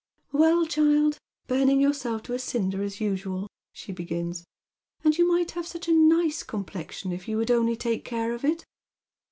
" Well, child, burning yourself to a cinder as usual," she begins, "and you might have such a nice complexion if you would only take care of it."